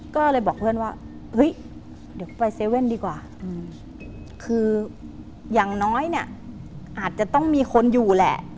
ก็เลยบอกเพื่อนว่าเฮ้ยเดี๋ยวไปเซเว่นดีกว่าคืออย่างน้อยเนี่ยอาจจะต้องมีคนอยู่แหละ